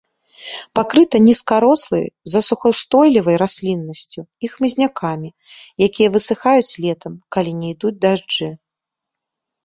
Пакрыта нізкарослай засухаўстойлівай расліннасцю і хмызнякамі, якія высыхаюць летам, калі не ідуць дажджы.